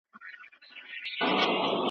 که استاد خپلواکي ورکړي څېړنه ښه کېږي.